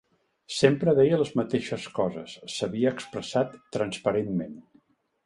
Sempre deia les mateixes coses, s’havia expressat transparentment.